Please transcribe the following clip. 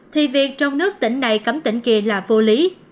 thì việc trong nước tỉnh này cấm tỉnh kỳ là vô lý